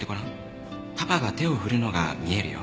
「パパが手を振るのが見えるよ」